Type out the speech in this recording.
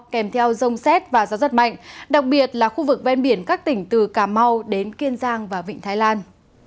kèm theo rông xét và gió rất mạnh đặc biệt là khu vực ven biển các tỉnh từ cà mau đến kiên giang và vịnh thái lan